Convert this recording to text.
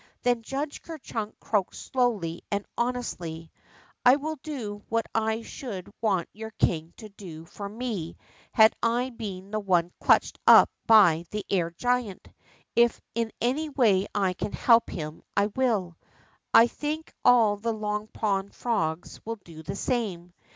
Then Judge Ker Chunk croaked slowly and honestly : I will do what I should want your king to do for me had I been the one clutched up by the air giant. If in any way I can help him, I will. 1 think all the Long Pond frogs will do the same.